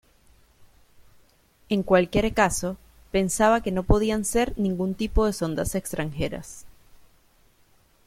En cualquier caso, pensaba que no podían ser ningún tipo de sondas extranjeras.